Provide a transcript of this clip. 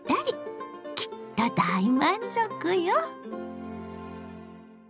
きっと大満足よ。